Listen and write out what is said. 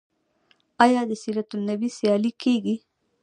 آیا د سیرت النبی سیالۍ کیږي؟